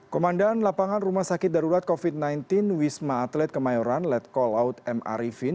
komandan lapangan rumah sakit darurat covid sembilan belas wisma atlet kemayoran letkol out m arifin